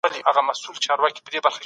ایا تاسو د وټساپ نوې نسخه کاروئ؟